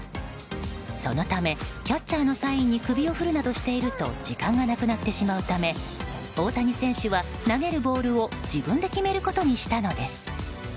そのためキャッチャーのサインに首を振るなどしていると時間がなくなってしまうため大谷選手は投げるボールを自分で決めることにしたのです。